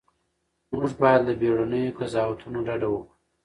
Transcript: موږ باید له بیړنیو قضاوتونو ډډه وکړو.